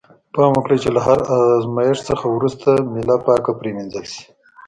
پام وکړئ چې له هر آزمایښت څخه وروسته میله پاکه پرېمینځل شي.